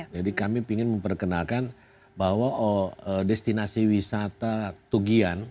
jadi kami ingin memperkenalkan bahwa destinasi wisata tugian